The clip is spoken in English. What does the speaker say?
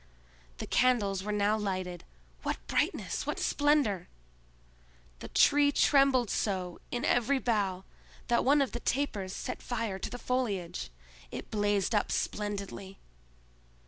The candles were now lighted. What brightness! What splendor! The Tree trembled so in every bough that one of the tapers set fire to the foliage. It blazed up splendidly.